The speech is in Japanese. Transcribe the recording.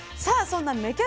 さあそんな芽